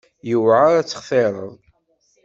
Yewεer ad textireḍ.